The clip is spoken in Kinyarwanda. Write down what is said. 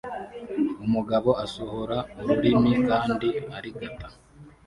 Umugabo asohora ururimi kandi arigata